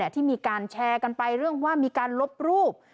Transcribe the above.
ที่มีการแชร์กันไปเรื่องว่ามีการลบรูป